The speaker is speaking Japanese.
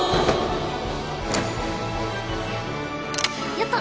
やった！